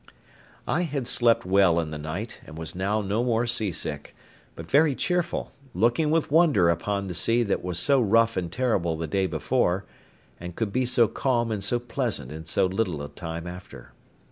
I had slept well in the night, and was now no more sea sick, but very cheerful, looking with wonder upon the sea that was so rough and terrible the day before, and could be so calm and so pleasant in so little a time after.